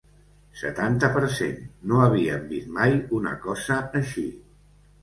Setanta per cent No havíem vist mai una cosa així.